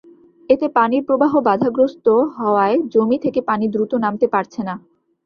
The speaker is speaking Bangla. এতে পানির প্রবাহ বাধাগ্রস্ত হওয়ায় জমি থেকে পানি দ্রুত নামতে পারছে না।